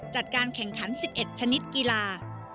จัดการแข่งขัน๑๑ชนิดกีฬา